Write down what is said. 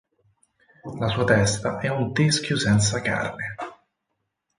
La sua testa è un teschio senza carne.